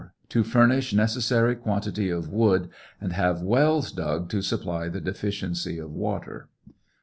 To furnish necessary quantity of wood, and have wells dug to supply the deficiency of water.